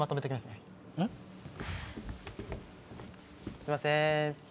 すいません。